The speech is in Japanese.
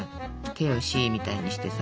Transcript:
手を「Ｃ」みたいにしてさ。